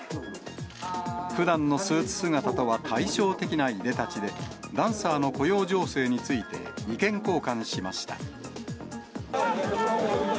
ふだんのスーツ姿とは対照的ないでたちで、ダンサーの雇用情勢について、意見交換しました。